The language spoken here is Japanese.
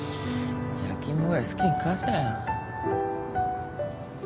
焼き芋ぐらい好きに食わせろよ。